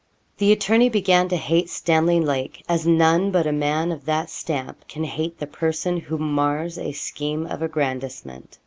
The attorney began to hate Stanley Lake as none but a man of that stamp can hate the person who mars a scheme of aggrandisement.